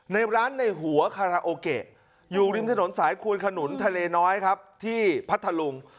ในร้านในหัวอยู่ริมถนนสายคูณขนุนทะเลน้อยครับที่พัทธรุง